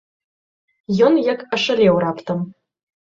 Ён як ашалеў раптам.